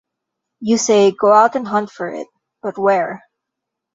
You say 'go out and hunt for it,' but where?